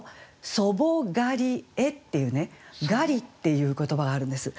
「祖母がりへ」っていうね「がり」っていう言葉があるんです。